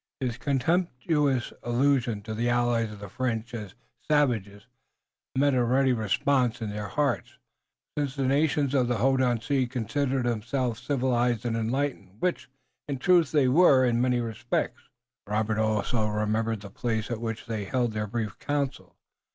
His contemptuous allusion to the allies of the French as "savages" met a ready response in their hearts, since the nations of the Hodenosaunee considered themselves civilized and enlightened, which, in truth, they were in many respects. Robert always remembered the place at which they held their brief council.